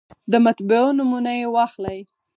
د مطبعو نومونه یې واخلئ.